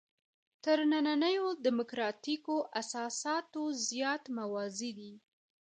تر نننیو دیموکراتیکو اساساتو زیات موازي دي.